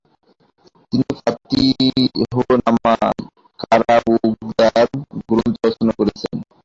তিনি ফাতিহনামা-ই কারাবুগদান গ্রন্থ রচনা করেছেন।